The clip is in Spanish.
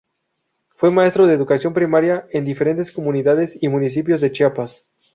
Fue maestro de Educación Primaria en diferentes comunidades y municipios de Chiapas.